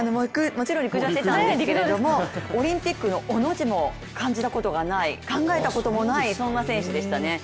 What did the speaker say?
もちろん陸上やっていたんですけれども、オリンピックの「オ」の字も感じたことのない考えたこともないそんな選手でしたね。